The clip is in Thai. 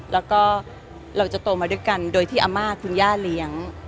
แล้วก็เราจะโตมาด้วยกันโดยที่อาม่าคุณย่าเลี้ยง